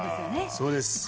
そうです。